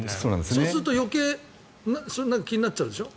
そうすると余計気になっちゃうでしょ。